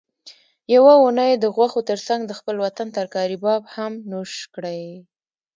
یوه اونۍ د غوښو ترڅنګ د خپل وطن ترکاري باب هم نوش کړئ